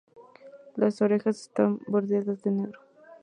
Las orejas están bordeadas de negro.